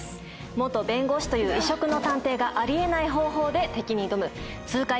元弁護士という異色の探偵があり得ない方法で敵に挑む痛快エンターテインメントです。